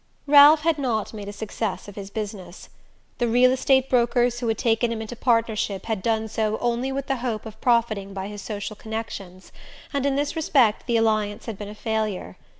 Ralph had not made a success of his business. The real estate brokers who had taken him into partnership had done so only with the hope of profiting by his social connections; and in this respect the alliance had been a failure.